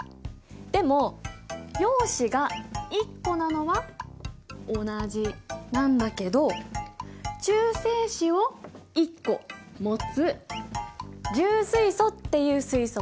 でも陽子が１個なのは同じなんだけど中性子を１個持つ重水素っていう水素もあるんだ。